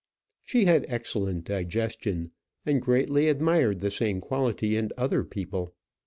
She had an excellent digestion, and greatly admired the same quality in other people.